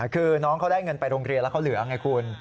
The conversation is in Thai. คือน้องเขาได้เงินไปโรงเรียนแล้วเขาเหลือไงคุณ